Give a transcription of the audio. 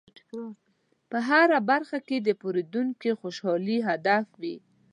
په هره برخه کې د پیرودونکي خوشحالي هدف وي.